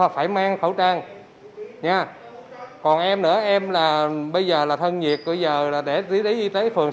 phải mang khẩu trang nha còn em nữa em là bây giờ là thân nhiệt bây giờ là để đi lấy y tế phường